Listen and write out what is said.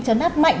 trấn áp mạnh